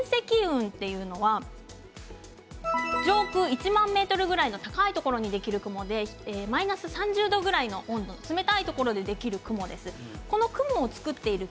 その一部なんですけれどもこの巻積雲というのは上空１万ｍくらいの高いところにできる雲でマイナス３０度ぐらいの温度冷たいところにできる雲です。